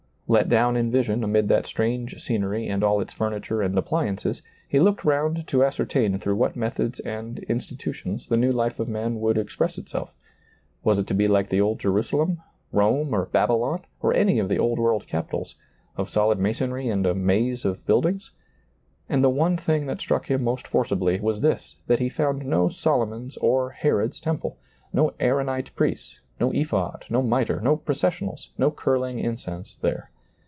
Let down in vision amid that strange scenery and all its furniture and appliances, he looked round to ascertain through what methods and insti tutions the new life of man would express itself. Was it to be like the old Jerusalem, Rome, or Babylon, or any of the old world capitals, — of solid masonty and a maze of buildings ? And the one thing that struck him most forcibly was this, that he found no Solomon's or Herod's temple, no Aaronite priest, no ephod, no miter, no processionals, no curling incense there.